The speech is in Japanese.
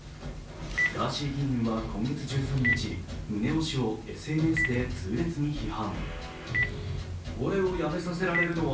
ガーシー議員は今月１３日、宗男氏をＳＮＳで痛烈に批判。